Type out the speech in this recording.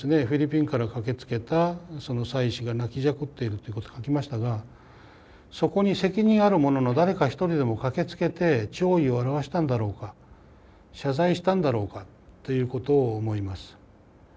フィリピンから駆けつけた妻子が泣きじゃくっているということを書きましたがそこに責任ある者の誰か一人でも駆けつけて弔意を表したんだろうか謝罪したんだろうかということを思います。